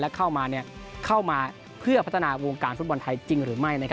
เข้ามาเข้ามาเพื่อพัฒนาวงการฟุตบอลไทยจริงหรือไม่